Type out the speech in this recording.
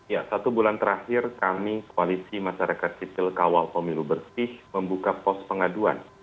ya satu bulan terakhir kami koalisi masyarakat sipil kawal pemilu bersih membuka pos pengaduan